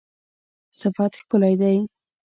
صفت ښکلی دی